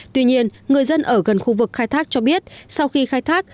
tuy nhiên người dân ở gần khu vực khai thác cho biết sau khi khai thác